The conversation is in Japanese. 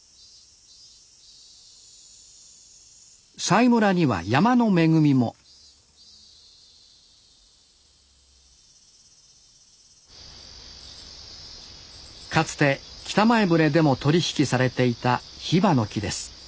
佐井村には山の恵みもかつて北前船でも取り引きされていたヒバの木です。